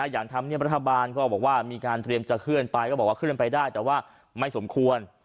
ธรรมเนียบรัฐบาลก็บอกว่ามีการเตรียมจะเคลื่อนไปก็บอกว่าเคลื่อนไปได้แต่ว่าไม่สมควร